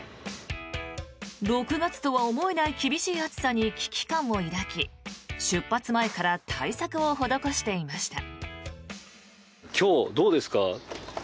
６月とは思えない厳しい暑さに危機感を抱き出発前から対策を施していました。